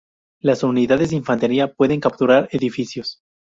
Las unidades de infantería pueden capturar edificios.